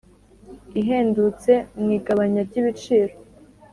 ihendutse mu igabanya ry'ibiciro.